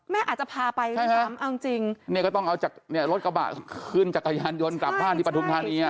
แม่อาจจะพาไปใช่ไหมเอาจริงเนี้ยก็ต้องเอาจากเนี้ยรถกระบะขึ้นจากกระยานยนต์กลับบ้านที่ประทุนทางนี้อ่ะ